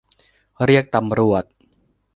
เรียกตำรวจ